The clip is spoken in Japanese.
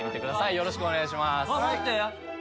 よろしくお願いします